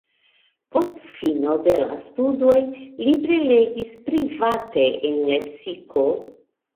Post fino de la studoj li prelegis private en Lepsiko.